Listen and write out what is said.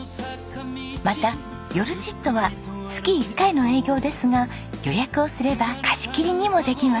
また夜ちっとは月一回の営業ですが予約をすれば貸し切りにもできます。